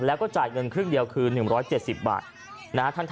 แล้วก็จ่ายเงินครึ่งเดียวคือ๑๗๐บาท